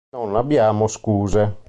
Non abbiamo scuse.